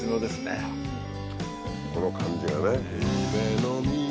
この感じがね。